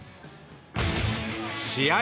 試合